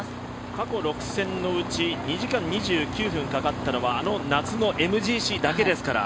過去６戦のうち２時間２９分かかったのはあの夏のＭＧＣだけですから。